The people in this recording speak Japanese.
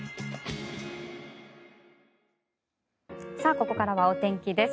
ここからはお天気です。